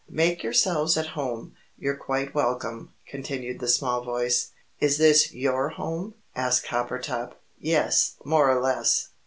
"Make yourselves at home you're quite welcome," continued the small voice. "Is this YOUR home?" asked Coppertop. "Yes, more or less.